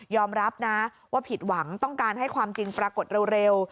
รับนะว่าผิดหวังต้องการให้ความจริงปรากฏเร็ว